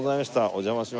お邪魔しました。